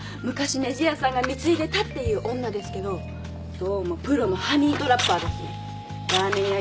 昔ねじ屋さんが貢いでたっていう女ですけどどうもプロのハニートラッパーですね。